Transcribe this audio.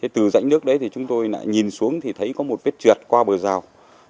từ dãnh nước đấy chúng tôi nhìn xuống thấy có một vết trượt qua bờ rào